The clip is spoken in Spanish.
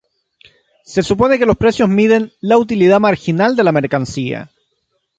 Se supone que los precios miden la utilidad marginal de la mercancía.